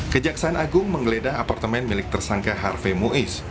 kejaksaan agung menggeledah apartemen milik tersangka harve muiz